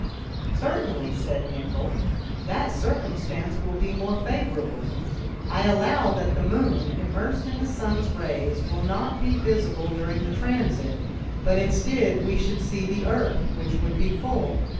"Certainly," said Nicholl, "that circumstance will be more favorable. I allow that the moon, immersed in the sun's rays, will not be visible during the transit, but instead we should see the earth, which would be full.